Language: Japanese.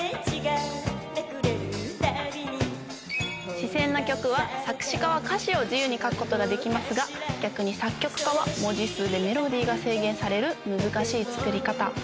詞先の曲は作詞家は歌詞を自由に書くことができますが、逆に作曲家は、文字数でメロディーが制限される難しい作り方。